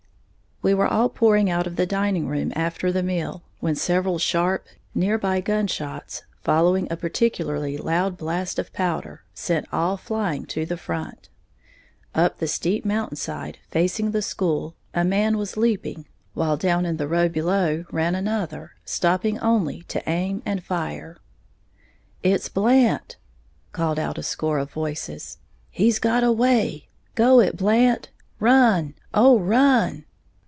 We were all pouring out of the dining room after the meal, when several sharp, near by gun shots, following a particularly loud blast of powder, sent all flying to the front. Up the steep mountain side facing the school a man was leaping, while down in the road below ran another, stopping only to aim and fire. "It's Blant!" called out a score of voices; "he's got away! Go it, Blant, run, oh, run!"